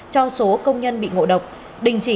cho số công nhân bị ngộ độc đình chỉ